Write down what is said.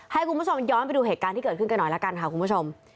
ให้คุณผู้ชมย้อนไปดูเหตุการณ์ที่เกิดขึ้นกันหน่อยละกันค่ะคุณผู้ชม